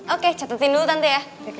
oke catetin dulu nanti ya